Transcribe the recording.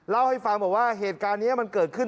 เล่าให้ฟังบอกว่าเหตุการณ์นี้มันเกิดขึ้น